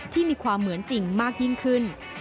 ที่มีความเหมือนจริงมากยิ่งขึ้น